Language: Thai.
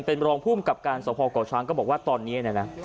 เป็นลองพุ่มกับการสะพอเกาะช้างก็บอกว่าตอนนี้นะครับ